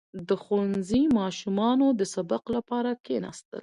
• د ښوونځي ماشومانو د سبق لپاره کښېناستل.